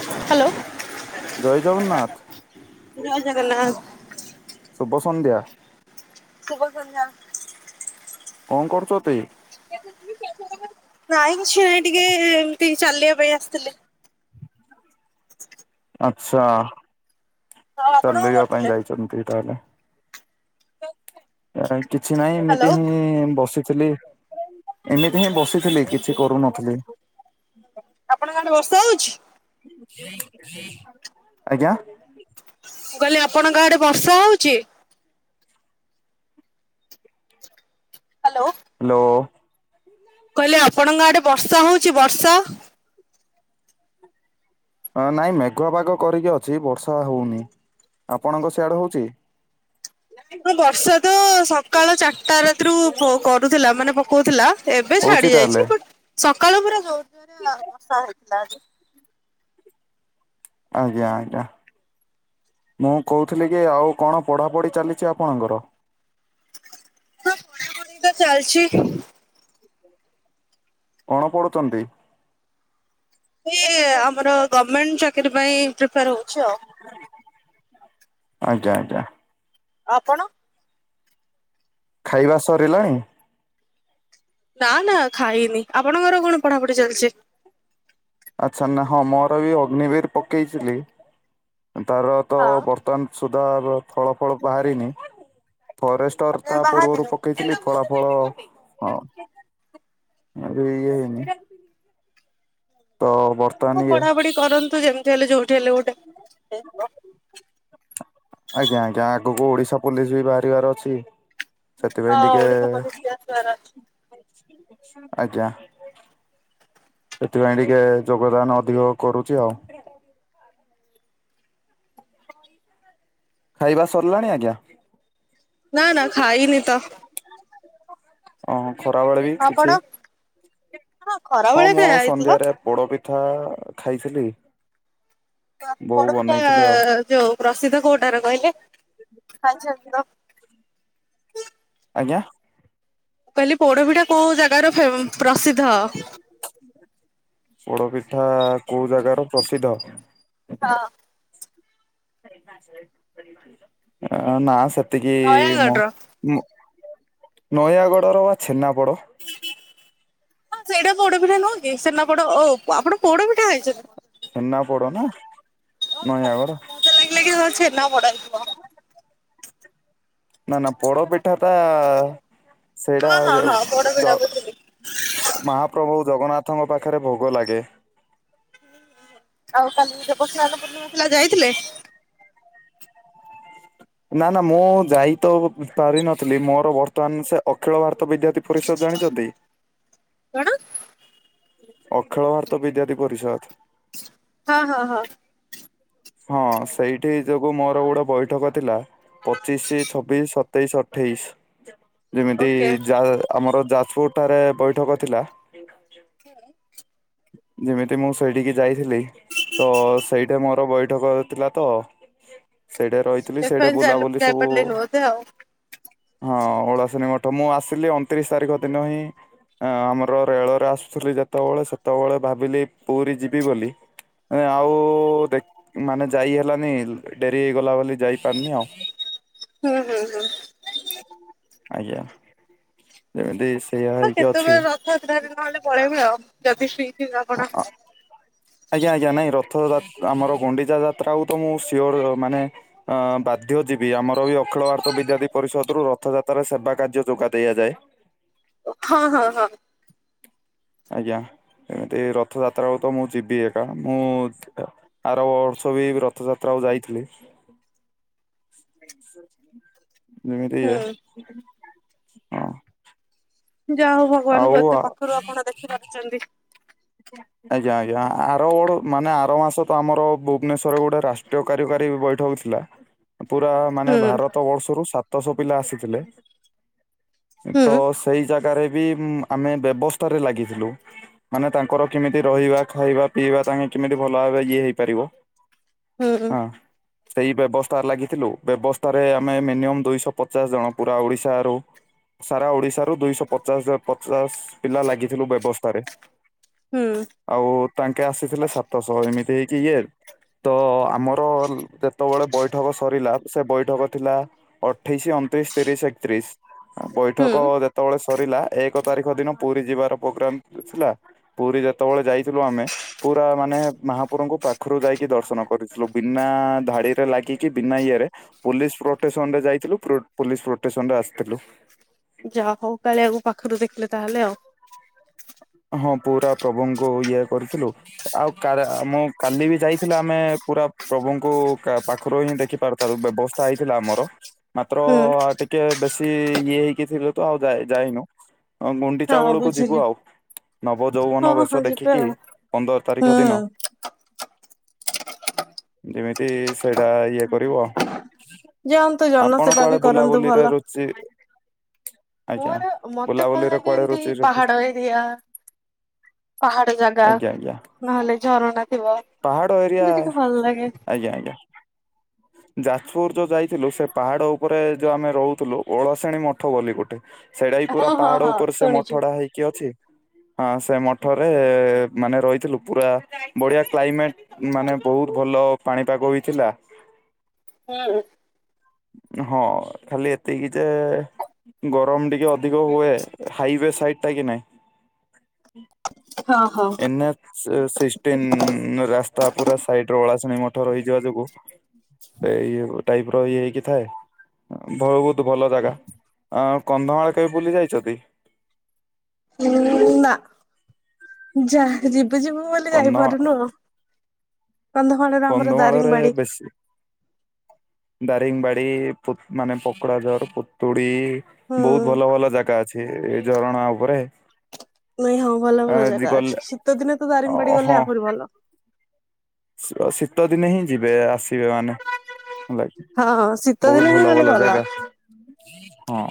Hello ଜୟ ଜଗନ୍ନାଥ ଜୟ ଜଗନ୍ନାଥ। ଶୁଭ ସନ୍ଧ୍ୟା। ଶୁଭ ସନ୍ଧ୍ୟା। କଣ କରୁଛ ତି [unintelligible] ନାଇଁ କିଛି ନାହିଁ ଟିକେ ଏମିତି ଚାଲିବା ପାଇଁ ଆସିଥିଲି। ଆଛା ଆଉ ଆପଣ କଣ ଚାଲିବା ପାଇଁ କରୁଥିଲେ? ଯାଇଛନ୍ତି ତାହେଲେ। କିଛି ନାହିଁ ହ୍ୟାଲୋ ଏମିତି ହିଁ ବସିଥିଲି। ଏମିତି ହିଁ ବସିଥିଲି କିଛି କରୁନଥିଲି। ଆପଣ ଗାଁରେ ବର୍ଷା ହଉଛି? ଆଜ୍ଞା। ମୁଁ କହିଲି ଆପଣଙ୍କ ଆଡେ ବର୍ଷା ହଉଛି? ହ୍ୟାଲୋ। ହ୍ୟାଲୋ। କହିଲେ ଆପଣଙ୍କ ଆଡେ ବର୍ଷା ହଉଛି ବର୍ଷା? ନାଇଁ ମେଘୁଆ ପାଗ କରିକି ଅଛି ବର୍ଷା ହଉନି ଆପଣଙ୍କ ସିଆଡେ ହଉଛି? ହଁ, ବର୍ଷା ତ ସକାଳ ଚାରଟାରେ ରାତିରୁ କରୁଥିଲା ମାନେ ପକଉଥିଲା ଏବେ ହଉଛି ଛାଡି ତାହେଲେ ଯାଇଛି। ବଟ୍ ସକାଳୁ ପୁରା [unintelligible] ଆଜ୍ଞା ଆଜ୍ଞା। ମୁଁ କହୁଥିଲି କି, ଆଉ କଣ ପଢ଼ାପଢ଼ି ଚାଲିଛି ଆପଣଙ୍କର? ଚାଲଛି କଣ ପଢୁଛନ୍ତି? ଏ ଆମର ଗର୍ମେଣ୍ଟ ଚାକିରୀ ପାଇଁ ପ୍ରିପାର ହଉଛି ଆଉ। ଆଜ୍ଞା ଆଜ୍ଞା। ଆପଣ? ଖାଇବା ସରିଲାଣି? ନା, ନା, ଖାଇନି। ଆପଣଙ୍କର କଣ ପଢାପଢି ଚାଲିଛି? ଆଚ୍ଛା ନା, ହଁ ମୋର ବି ଅଗ୍ନିବିର ପକେଇଥିଲି। ତାର ତ ହଁ ବ ବର୍ତ୍ତମାନ ସୁଦ୍ଧା ଫଳ ଫଳ ବାହାରିନି। ଫରେଷ୍ଟର ତମେ ତା ପୂର୍ବରୁ ପ ବାହାରିନି? ପକେଇଥିଲି ଫଳା ଫଳ ହଁ ଏ ଇଏ ହେଇନି ତ ବ ହଁ ପଢ଼ାପଢ଼ି କରନ୍ତୁ। ଯେମିତି ହେଲେ ଯୋଉଠି ହେଲେ ଗୋଟେ ଆଜ୍ଞା ଆଜ୍ଞା, ଆଗକୁ ଓଡିଶା ପୋଲିସ ବି ବାହାରିବାର ଅଛି। ହଁ ସେଥିପାଇଁ ଟିକେ, ଓଡିଶା ପୋଲିସ ଆସିବାର ଅଛି। ଆଜ୍ଞା ସେଥିପାଇଁ ଟିକେ ଯୋଗଦାନ ଅଧିକ କରୁଛି ଆଉ। ଖାଇବା ସରିଲାଣି, ଆଜ୍ଞା? ନା ନା ଖାଇନି ତ। ଓଁ ଖରାବେେଳେ ବି କିଛି? ଖରା ହଁ, ବେଳେ ମୁଁ ଆଉ ଖାଇବା ହେଇଥିଲା? ସନ୍ଧ୍ୟାରେ ପୋଡପିଠା ଖାଇଥିଲି। ବୋଉ ପୋଡ଼ପିଠା ବନେଇଥିଲେ ଆଉ। ଯୋଉ ପ୍ରସିଦ୍ଧ କୋଉଟାର କହିଲେ, ଖାଇଛନ୍ତି ତ? ଆଜ୍ଞା କହିଲି ପୋଡପିଠା କୋଉ ଜାଗାର ଫେ ପ୍ରସିଦ୍ଧ? ପୋଡ ପିଠା କୋଉ ଜାଗାର ପ୍ରସିଦ୍ଧ? ହଁ। ନା ସେତିକି ନୟାଗଡ ମୁଁ ର? ମୁଁ ନୟାଗଡ଼ର ବା ଛେନାପୋଡ଼। ହଁ, ସେଇଟା ପୋଡ ପିଠା ନୁହଁ କି? ଛେନାପୋଡ ଓ ଆପଣ ପୋଡ ପିଠା ଖାଇଛନ୍ତି? ଛେନାପୋଡ ନା ନୟାଗଡ। ମତେ ଲାଗିଲା କି ଛେନା ପୋଡ଼ ହେଇଥିବ ନା ନା ପୋଡପିଠା ଟା ସେଇଟା ହଁ ହଁ ହଁ ପୋଡପିଠା ବୁଝିଲି। ମହାପ୍ରଭୁ ଜଗନ୍ନାଥଙ୍କ ପାଖରେ ଭୋଗ ଲାଗେ। ଆଉ କାଲି ଦେବ ସ୍ନାନ ପୂର୍ଣ୍ଣିମା ଥିଲା ଯାଇଥିଲେ? ନା ନା ମୁଁ ଯାଇ ତ ପାରିିନଥିଲି। ମୋର ବର୍ତ୍ତମାନ ସେ ଅଖିଳ ଭାରତ ବିଦ୍ୟାର୍ଥ ଫରିଷଦ ଜାଣିଛନ୍ତି? କଣ? ଅଖିଳ ଭାରତ ବିଦ୍ୟାର୍ଥୀ ପରିଷଦ? ହଁ ହଁ ହଁ। ହଁ ସେଇଠି ଯୋଗୁ ମୋର ଗୋଟେ ବୈଠକ ଥିଲା। ପଚିଶି, ଛବିଶ, ସତେଇଶ, ଅଠେଇଶ ଯେମିତି ଓକେ ଯା ଆମର ଯାଜପୁରଠାରେ ବୈଠକ ଥିଲା। ଯେମିତି ମୁଁ ସେଇଠିକି ଯାଇଥିଲି। ତ ସେଇଠା ମୋର ବୈଠକ ଥିଲା ତ। ସେଇଠେ ରହିଥିଲି ସେଇଠା ସେଥିପାଇଁ ଯାଇ ବୁଲାବୁଲି ସବୁ ଯାଇପାରିଲିନି ବୋଧେ ଆଉ। ହଁ ଓଳାଶିନୀ ମଠ ମୁଁ ଆସିଲି ଅଣତିରିଶ ତାରିଖ ଦିନ ହିଁ। ଆ ଆମର ରେଳରେ ଆସୁଥିଲି ଯେତେବେଳେ ସେତେବେଳେ ଭାବିଲି ପୁରୀ ଯିବି ବୋଲି। ଆଉ ଦେଖ ମାନେ ଯାଇ ହେଲାନି ଡେରି ହେଇଗଲା ବୋଲି ଯାଇପାରନି ଆଉ। ହୁଁ ହୁଁ ହୁଁ। ଆଜ୍ଞା ଯେମିତି ସେଇଆ ହେଇକି ଅଛି। ସାତଟାରେ ନହେଲେ ପଳେଇବି ଆଉ ଯଦି ଫ୍ରି ଥିବେ ଆପଣ? ଆଜ୍ଞା ଆଜ୍ଞା ନାଇଁ ରଥଯା ଆମର ଗଣ୍ଡିଚା ଯାତ୍ରା ହୋଉ ତ ମୁଁ ସିଓର ମାନେ ଅ ବାଧ୍ୟ ଯିବି ଆମର ବି କ୍ଲର୍କ ବିଦ୍ୟାଥୀ ପରିଷଦରୁ ରଥଯାତ୍ରାରେ ସେବା କାର୍ଯ୍ୟ ଯୋଗାଇ ଦିଆଯାଏ। ହଁ ହଁ ହଁ। ଆଜ୍ଞା ଏମିତି ରଥଯାତ୍ରା ତ ମୁଁ ଯିବି ଏକା ମୁଁ ଆର ବର୍ଷ ବି ରଥଯାତ୍ରାକୁ ଯାଇଥିଲି। [unintelligible] ମିଳିତି ଇଏ ହୁଁ ହଁ। ଯାହା ହୋଉ ଆଉ ଭଗବାନଙ୍କୁ ଏତେ ପାଖରୁ ଆପଣ ଦେଖିପାରୁଛନ୍ତି। କେତେଟା? ଆଜ୍ଞା ଆଜ୍ଞା ଆର ବଡ଼ ମାନେ ଆର ମାସ ତ ଆମର ଭୁବନେଶ୍ୱରରେ ଗୋଟେ ରାଷ୍ଟ୍ରୀୟ କାରଯ୍ୟକାରୀ ବୈଠକ ଥିଲା। ହ ପୁରା ମାନେ ହୁଁ ଭାରତ ବର୍ଷରୁ ସାତଶହ ପିଲା ଆସିଥିଲେ। ତ ହୁଁ ସେଇ ଜାଗାରେ ବି ଆମେ ବ୍ୟବସ୍ଥାରେ ଲାଗିଥିଲୁ। ମାନେ ତାଙ୍କର କେମିତି ରହିବା ଖାଇବା ପିଇବା ତାଙ୍କେ କେମିତି ଭଲ ଭାବେ ଇଏ ହେଇପାରିବ। ହୁଁ ହଁ। ସେଇ ବ୍ୟବସ୍ତା ଲାଗିଥିଲୁ ବ୍ୟବସ୍ଥାରେ ଆମେ ମିନିୟମ ଦୁଇଶହ ପଚାଶ ଜଣ ପୁରା ଓଡିଶାରୁ। ସାରା ଓଡିଶା ରୁ ଦୁଇଶହ ପଚାଶ ପଚାଶ ପିଲା ଲାଗିଥିଲୁ ବ୍ୟବସ୍ଥାରେ। ହୁଁ। ଆଉ ତାଙ୍କେ ଆସିଥିଲେ ସାତଶହ ଏମିତି ହେଇକି ଇଏ। ତ ଆମର ଯେତେବେଳେ ବୈଠକ ସରିଲା ସେ ବୈଠକ ଥିଲା। ଅଠେଇଶି ଅଣତିରିଶ ତିରିଶ ଏକତିରିଶ। ହୁଁ ବୈଠକ ଯେତେବେଳେ ସରିଲା ଏକ ତାରିଖ ଦିନ ପୁରୀ ଯିବାର ପ୍ରୋଗ୍ରାମ ଥିଲା। ପୁରୀ ଯେତେବେଳେ ଯାଇଥିଲୁ ଆମେ। ପୁରା ମାନେ ମହାପୁରଙ୍କୁ ପାଖରୁ ଯାଇକି ଦର୍ଶନ କରିଥିଲୁ ବିନା ଧାଡିରେ ଲାଗିକି ବିନା ଇଏରେ। ପୋଲିସ ପ୍ରୋଟେସନ ରେ ଯାଇଥିଲୁ ପୋଲିସ ପ୍ରୋଟେସନ ରେ ଆସିଥିଲୁ। ଯାହା ହୋଉ କାଳିଆକୁ ପାଖରୁ ଦେଖିଲେ ତାହେଲେ ଆଉ। ହଁ ପୁରା ପ୍ରଭୁଙ୍କୁ ଇଏ କରିଥିଲୁ। ଆଉ ମୁଁ କାଲି ବି ଯାଇଥିଲି ଆମେ ପୁରା ପ୍ରଭୁଙ୍କୁ ପାଖରୁ ହିଁ ଦେଖି ପାରୁଥାଉ ବ୍ୟବସ୍ ତା ହେଇଥିଲା ଆମର। ମାତ୍ର ହୁଁ ଟିକେ ବେଶି ଇଏ ହେଇକି ଥିବ ତ ଆଉ ଯାଏ ଯାଇନୁ। ହଁ ଗୁଣ୍ଡିଚା ହଁ ବଳକୁ ବୁଝିଲି ଯିବୁ ଆଉ। ହଁ ନବଯୌବନ ହଁ ବେଶ ଯିବେ ଦେଖିକି ଆଉ। ପନ୍ଦର ହୁଁ ତାରିଖ ଦିନ। ଯେମିତି ସେଇଟା ଇଏ କରିବ ଯାଆନ୍ତୁ ଆପଣ ଜନସେବା ବି କୁଆଡେ କରନ୍ତୁ ଭଲ। ବୁଲାବୁଲିରେ ରୁଚି ଆଜ୍ଞା ମୋର ବୁଲାବୁଲିରେ କୁଆଡେ ରୁଚେଇ ୟା ପାହାଡ ଜାଗା ଆଜ୍ଞା ଆଜ୍ଞା ନହେଲେ ଝରଣା ଥିବ? ପାହାଡ ଏରିଆ ମୋତେ ଟିକେ ଭଲ ଲାଗେ। ଆଜ୍ଞା ଆଜ୍ଞା। ଯାଜପୁର ଯୋଉଁ ଯାଇଥିଲୁ ସେ ପାହାଡ଼ ଉପରେ ଯୋଉ ଆମେ ରହୁଥିଲୁ ଓଳସେଣୀ ମଠ ବୋଲି ଗୋଟେ ସେଇଟା ହି ହଁ ପୁରା ହଁ ପାହାଡ ହଁ ଉପରେ ସେ ଶୁଣିଛି ମଠଟା ହେଇକି ଅଛି। ହଁ ସେ ମଠରେ ମାନେ ରହିଥିଲୁ ପୁରା ବଢିଆ କ୍ଲାଇମେଟ ମାନେ ବହୁତ ଭଲ ପାଣିପାଗ ହୋଇଥିଲା। ହୁଁ। ହଁ ଖାଲି ଏତିକି ଯେ ଗରମ ଟିକେ ଅଧିକ ହୁଏ ହାଇୱେ ସାଇଟଟା କି ନାହିଁ? ହଁ ହଁ। ଏନାର୍ ସେ ସିକ୍ସଟିନ୍ ରାସ୍ତା ପୁରା ସାଇଟି ରୁ ଅଳାଶୁଣି ମଠ ରହିଯିବା ଯୋଗୁ ସେ ଇଏ ଟାଇପ୍ ର ଇଏ ହେଇକି ଥାଏ। ବହୁତ ଭଲ ଜାଗା ଆଉ କନ୍ଧମାଳ କେବେ ବୁଲି ଯାଇଛନ୍ତି? ହଁ ନା ଯାହାଲେ ଯିବୁ ଯିବୁ ବୋଲି କନ୍ଧ ଯାଇପାରୁନୁ କନ୍ଧମାଳରେ ଆମର କନ୍ଧମାଳରେ ଦାରିଙ୍ଗବାଡି। ଦାରିଙ୍ଗବାଡ଼ି ମାନେ ପକୋଡାଝର ହୁଡି ହୁଁ। ବହୁତ ଭଲ ଭଲ ଜାଗା ଅଛି ଏ ଝରଣା ଉପରେ। ନାଇଁ ହଁ ଭଲ ଭଲ ଆଜି ଜାଗା ଗଲେ ଅଛି ଶୀତ ଦିନେ ତ ଦାରିଙ୍ଗବାଡି ହଁ ଗଲେ ଆହୁରି ଭଲ। ଶୀତ ଦିନେ ହିଁ ଯିବେ ଆସିବେ ମାନେ ହଁ ଶୀତ ବହୁତ ଦିନେ ହିଁ ଭଲ ଗଲେ ଭଲ ଜାଗା। ହଁ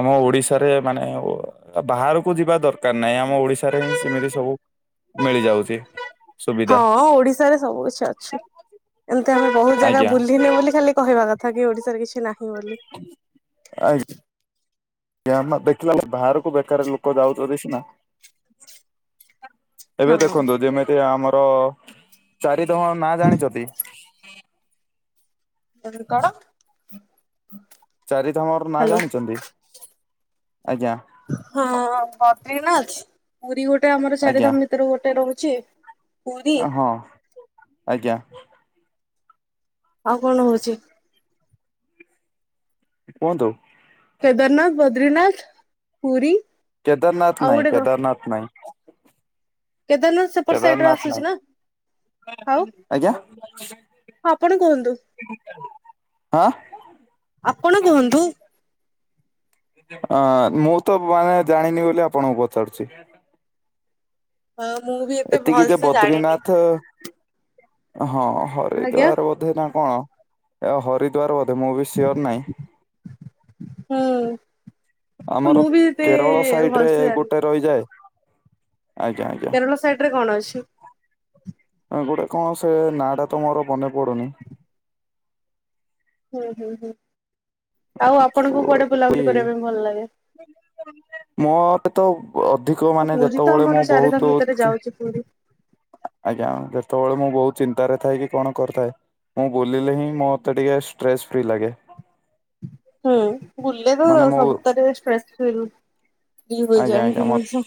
ଆମ ଓଡିଶାରେ ମାନେ ବାହାରକୁ ଯିବା ଦରକାର ନାହିଁ। ଆମ ଓଡିଶାରେ ହିଁ ସେମିତି ସବୁ ମିଳିଯାଉଛି। ସୁବିଧା। ହଁ ଓଡିଶାରେ ସବୁ କିଛି ଅଛି। ଏମିତି ଆମେ ବହୁତ ଜାଗା ଆଜ୍ଞା ବୁଲିନେ ବୋଲି ଖାଲି କହିବା କଥା। କଥା କିି ଓଡିଶାରେ କିଛି ନାହିଁ ବୋଲି। ଆଜ୍ଞା। ଦେଖିଲା ବାହାରକୁ ବେକାର ଲୋକ ଯାଉଛନ୍ତି ସିନା ଏବେ ହଁ ଦେଖନ୍ତୁ ଯେମିତି ଆମର ଚାରିଧାମର ନାଁ ଜାଣିଛନ୍ତି? କଣ? ଚାରିଧାମର ନାଁ ଜାଣିଛନ୍ତି ଆଜ୍ଞା। ହଁ ବଦ୍ରିନାଥ ପୁରୀ ଗୋଟେ ଆମର ଆଜ୍ଞା ଚାରିଧାମ ଭିତର ଗୋଟେ ରହୁଛି। ପୁରୀ ହଁ ଆଜ୍ଞା। ଆଉ କଣ ହଉଛି? କୁହନ୍ତୁ? କେଦାରନାଥ ବଦ୍ରିନାଥ ପୁରୀ ଆଉ କେଦାରନାଥ ନାହିଁ ଗୋଟେ କଣ କେଦାରନାଥ ନାହିଁ। କେଦାରନାଥ ସେପଟ ସାଇଡରେ କେଦାରନାଥ ନାଇଁ ଆସୁଛି ନା? ଆଉ ଆଜ୍ଞା। ଆପଣ କୁହନ୍ତୁ ହାଁ। ଆପଣ କୁହନ୍ତୁ? ଅ ମୁଁ ତ ମାନେ ଜାଣିନି ବୋଲି ଆପଣଙ୍କୁ ପଚାରୁଛି? ହ ମୁଁ ବି ଏତେ ଏତିକି ଯେ ଭଲସେ ଜାଣିନି। ବଦ୍ରିନାଥ ହଁ ଆଜ୍ଞା ହରିଦ୍ଵାର। ବୋଧେ ନା କଣ ଏ ହରିଦ୍ୱାର ବୋଧେ ମୁଁ ବି ସିଓର ନାହିଁ। ହୁଁ ଆମର ମୁଁ ବି ଏତେ କେରଳ ସାଇଟ୍ ରେ ଭଲସେ ଜାଣିନି। ଗୋଟେ ରହିଯାଏ ଆଜ୍ଞା ଆଜ୍ଞା। ସାଇଟ୍ ରେ କଣ ଅଛି। ଗୋଟେ କଣ ସେ ନାଁ ଟା ତ ମୋର ମନେ ପଡୁନି। ହୁଁ ହୁଁ ହୁଁ ଆଉ ଆପଣଙ୍କୁ କୁଆଡେ ବୁଲାବୁଲି କରିବା ପାଇଁ ଭଲ ଲାଗେ? ମୋତେ ତ ଅଧିକ ମାନେ ପୁରୀ ତ ଯେତେବେଳେ ଆମର ମୁଁ ଚାରିଧାମ ବହୁତ ଭିତରେ ଖୁସି ଯାଉଛି ପୁରୀ। ଆଜ୍ଞା ଯେତେବେଳେ ମୁଁ ବହୁତ ଚିନ୍ତାରେ ଥାଏ କି କଣ କରିଥାଏ। ମୁଁ ବୁଲିଲେ ହିଁ ମୋତେ ଟିକେ ଷ୍ଟ୍ରେସ ଫ୍ରି ଲାଗେ। ହୁଁ ବୁଲିଲେ ତ ମାନେ ମୁଁ ସବୁଥରେଷ୍ଟ୍ରେସ୍ ଫ ଆଜ୍ଞା ଆଜ୍ଞା ମତେ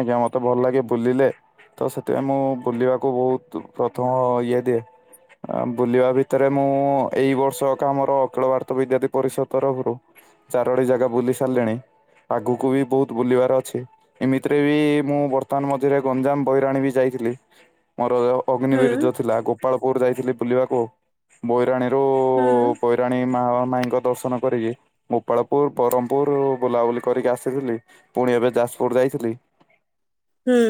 ଆଜ୍ଞା ମତେ ଭଲ ଲାଗେ ବୁଲିଲେ। ତ ସେଥିପାଇଁ ମୁଁ ବୁଲିବାକୁ ବହୁତ ପ୍ରଥମ ଇଏ ଦିଏ। ଆ ବୁଲିବା ଭିତରେ ମୁଁ ଏଇ ବର୍ଷ ଏକା ଆମର ଅଖିଳ ଭାରତ ବିଦ୍ୟାର୍ଥୀ ପରିଷଦ ତରଫରୁ ଚାରୋଟି ଜାଗା ବୁଲି ସାରିଲେଣି ଆଗକୁ ବି ବହୁତ ବୁଲିବାର ଅଛି ଏମିତିରେ ବି ମୁଁ ବର୍ତ୍ତମାନ ମଧ୍ୟରେ ଗଞ୍ଜାମ ବହିରାଣୀ ବି ଯାଇଥିଲି। ମୋର ହୁଁ ଅଗ୍ନିିବିର୍ଜ ଥିଲା ଗୋପାଳପୁର ଯାଇଥିଲି ବୁଲିବାକୁ ବଇରାଣୀରୁ ହୁଁ ରାଣୀ ମା ମାଇଙ୍କ ଦର୍ଶନ କରିକି ଗୋପାଳପୁର ବରମ୍ପୂର୍ ବୁଲାବୁଲି କରିକି ଆସିଥିଲି। ପୁଣି ଏବେ ଯାଜପୁର ଯାଇଥିଲି। ହୁଁ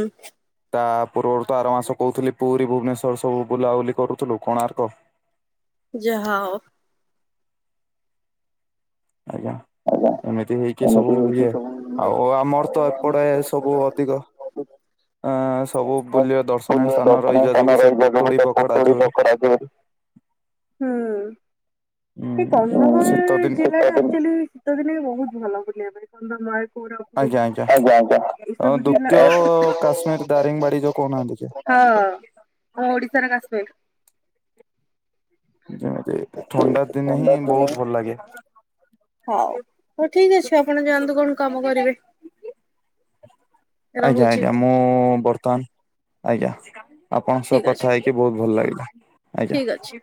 ତା ପୂର୍ବରୁ ତ ଆର ମାସ କହୁଥିଲି ପୁରୀ ଭୁବନେଶ୍ଵର ସବୁ ବୁଲାବୁଲି କରୁଥିଲୁ କୋଣାର୍କ ଯାହା ଆଜ୍ଞା। ଆଜ୍ଞା। ଏମିତି [unintelligible] ହେଇକି ସବୁ ଇଏ ଆଉ ଆମର ତ ଏପଟେ ସବୁ ଅଧିକ ଅ ସବୁ ବୁଲିବା ଦର୍ଶନୀୟ [unintelligible] ସ୍ଥାନ ଦର୍ଶନ ରହିଯିବା ଯୋଗୁ ସ୍ଥାନର ସେ ଏଇ ଜାଗାକୁ ପୁତୁଳି ପକଡା ଯୋଉ [unintelligible] କରାଯିବ। ହୁଁ ଉଁ ସେ ଶୀତ ଦିନ କନ୍ଧାମଳ ଜି ଚୁଲି ଶୀତ ଦିନେ ବହୁତ ଭଲ ବୁଲ ପାଇଁ [unintelligible] ଆଜ୍ଞା ଆଜ୍ଞା ଆଜ୍ଞା। ଆ ଏସବୁ ଜିଲ୍ଲା ଦ୍ଵିତୀୟ ହଁ କାଶ୍ମୀର ଦାରିଙ୍ଗ ବାଡି ଯୋଉ କଉନାହାନ୍ତି କି। ହଁ ମୁଁ ଓଡିଶାରେ [unintelligible] ଯେମିତି ଥଣ୍ଡା ଦିନେ ହିଁ ବହୁତ ଭଲ ଲାଗେ। ହଉ ହଉ ଠିକ ଅଛି ଆପଣ ଯାଆନ୍ତୁ କଣ କାମ କରିବେ। ଆଜ୍ଞା ରହୁଛି ଆଜ୍ଞା ମୁଁ ବର୍ତ୍ତମାନ ଆଜ୍ଞା। ଆପଣଙ୍କ ସହ ଠିକ୍ ଅଛି କଥା ହେଇକି ବହୁତ ଭଲ ଲାଗିଲା ଆଜ୍ଞା। ଠିକ୍ ଅଛି।